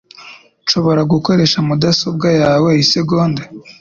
Nshobora gukoresha mudasobwa yawe isegonda?